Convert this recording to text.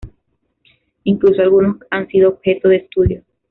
Incluso algunos han sido objeto de estudio.